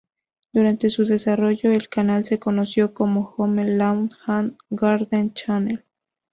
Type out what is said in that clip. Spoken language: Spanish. Durante su desarrollo, el canal se conoció como Home, Lawn, and Garden Channel.